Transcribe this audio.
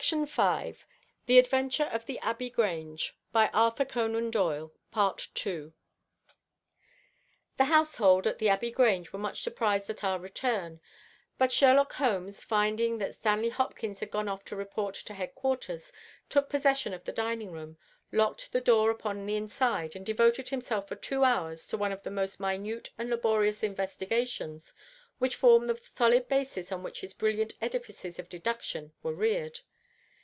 That is the mission which now lies before us, and here, Watson, is the Chislehurst train." The household of the Abbey Grange were much surprised at our return, but Sherlock Holmes, finding that Stanley Hopkins had gone off to report to head quarters, took possession of the dining room, locked the door upon the inside, and devoted himself for two hours to one of those minute and laborious investigations which formed the solid basis on which his brilliant edifices of deduction were reared.